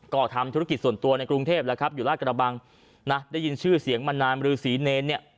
ก็ทำธุรกิจส่วนตัวในกรุงเทพแล้วครับอยู่ราชกระบังนะได้ยินชื่อเสียงมานานรือศรีเนรเนี่ย